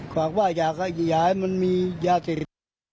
ฝากว่าอยากให้ยายมันมียาเสพติด